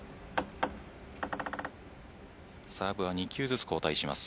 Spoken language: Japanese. サーブは２球ずつ交代します。